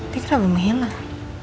dia kenapa menghilang